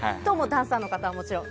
ダンサーの方はもちろん。